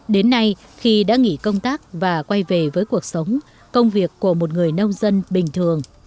đến nay khi đã nghỉ công tác và quay về với cuộc sống công việc của một người nông dân bình thường